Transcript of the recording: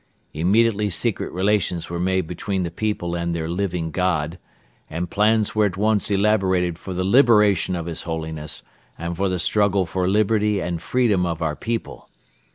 Immediately secret relations were made between the people and their Living God, and plans were at once elaborated for the liberation of His Holiness and for the struggle for liberty and freedom of our people.